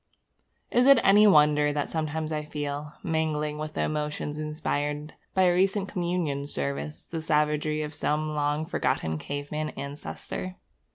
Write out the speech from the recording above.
Is it any wonder that sometimes I feel, mingling with the emotions inspired by a recent communion service, the savagery of some long forgotten caveman ancestor?